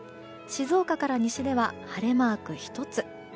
静岡から西では晴れマーク１つ。